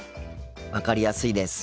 分かりやすいです。